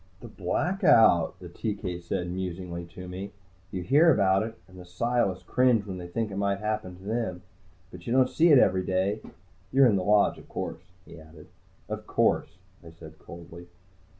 "The Blackout," the TK said musingly to me. "You hear about it, and the Psiless cringe when they think it might happen to them. But you don't see it every day. You're in the Lodge, of course?" he added. "Of course," I said coldly.